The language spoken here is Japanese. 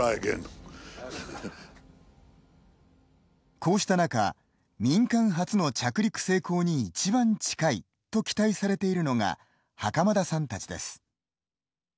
こうした中民間初の着陸成功にいちばん近いと期待されているのが袴田さんたちです。